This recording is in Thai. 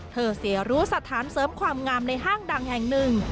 เสียรู้สถานเสริมความงามในห้างดังแห่งหนึ่ง